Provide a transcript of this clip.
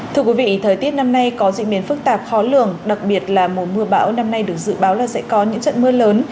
thưa quý vị thời tiết năm nay có diễn biến phức tạp khó lường đặc biệt là mùa mưa bão năm nay được dự báo là sẽ có những trận mưa lớn